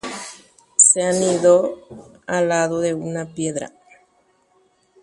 Oñembohaity peteĩ itayke ypýpe.